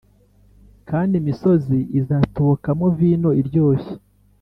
kandi imisozi izatobokamo vino iryoshye